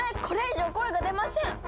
これ以上声が出ません！